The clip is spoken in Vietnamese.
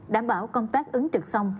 đảm bảo công tác ứng trực xong